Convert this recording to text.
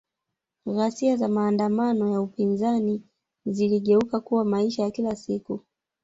Ghasia za maandamano ya upinzani ziligeuka kuwa maisha ya kila siku